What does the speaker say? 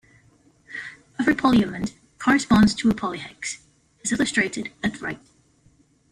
Every polyiamond corresponds to a polyhex, as illustrated at right.